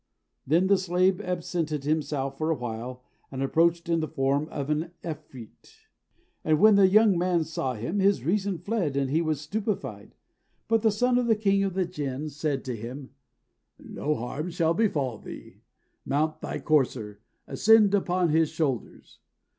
Then the slave absented himself for a while, and approached in the form of an 'Efreet. And when the young man saw him his reason fled, and he was stupefied; but the son of the king of the Jinn said to him, "No harm shall befall thee. Mount thy courser. Ascend upon his shoulders."